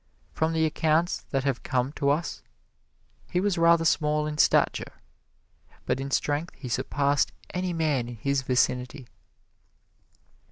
From the accounts that have come to us he was rather small in stature, but in strength he surpassed any man in his vicinity.